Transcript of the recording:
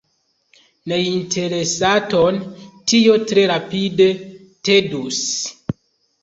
Neinteresaton tio tre rapide tedus.